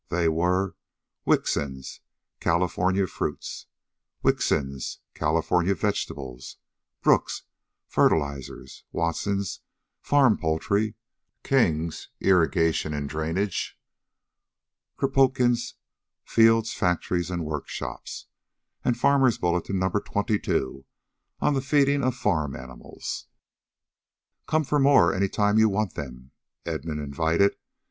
They were: Wickson's "California Fruits," Wickson's "California Vegetables," Brooks' "Fertilizers," Watson's "Farm Poultry," King's "Irrigation and Drainage," Kropotkin's "Fields, Factories and Workshops," and Farmer's Bulletin No. 22 on "The Feeding of Farm Animals." "Come for more any time you want them," Edmund invited.